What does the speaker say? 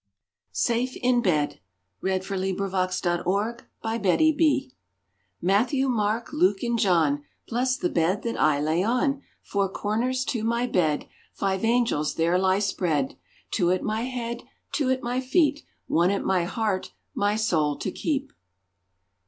ee, With a merry ding dong, happy let us be! SAFE IN BED Matthew, Mark, Luke and John, Bless the bed that I lie on! Four corners to my bed, Five angels there lie spread; Two at my head, Two at my feet, One at my heart, my soul to keep.